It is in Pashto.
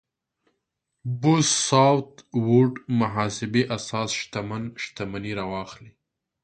بوث ساوت ووډ محاسبې اساس شتمن شتمني راواخلو.